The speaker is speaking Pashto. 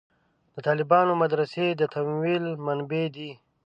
د طالبانو مدرسې تمویل منبعې دي.